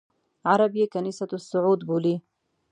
عرب یې کنیسۃ الصعود بولي.